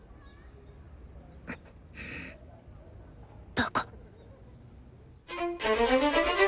バカ。